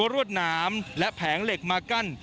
รวดหนามและแผงเหล็กมากั้น